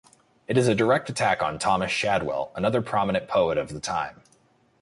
It is a direct attack on Thomas Shadwell, another prominent poet of the time.